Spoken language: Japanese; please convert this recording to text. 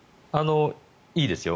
いいですよ。